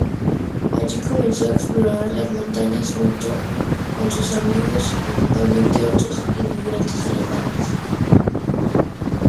Allí, comenzó a explorar las montañas junto con sus amigos, principalmente otros inmigrantes alemanes.